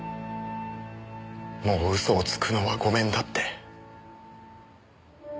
もう嘘をつくのは御免だって。